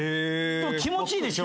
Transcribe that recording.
でも気持ちいいでしょ？